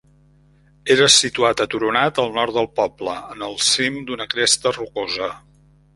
Era situat aturonat al nord del poble, en el cim d'una cresta rocosa.